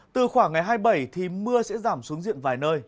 từ khoảng ngày hai mươi bảy thì mưa sẽ giảm xuống diện vài nơi